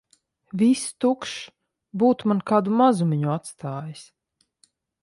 Viss tukšs. Būtu man kādu mazumiņu atstājis!